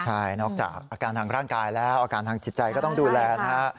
ใช่นอกจากอาการทางร่างกายแล้วอาการทางจิตใจก็ต้องดูแลนะฮะ